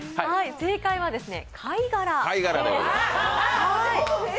正解は貝殻。